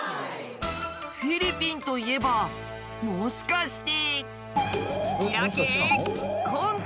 フィリピンといえばもしかして。